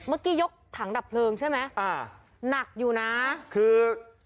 เมื่อกี้ยกถังดับเพลิงใช่ไหมอ่าหนักอยู่นะคือ